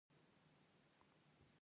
د پانګې دې برخې ته ثابته پانګه ویل کېږي